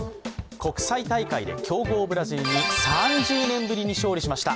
国際大会で強豪・ブラジルに３０年ぶりに勝利しました。